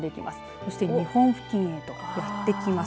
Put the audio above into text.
そして日本付近へとやってきます。